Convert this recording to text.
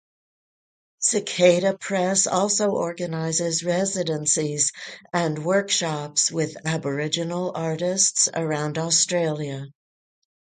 Cicada Press also organizes residencies and workshops with Aboriginal artists around Australia.